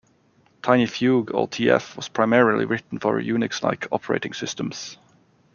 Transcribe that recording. TinyFugue, or tf, was primarily written for Unix-like operating systems.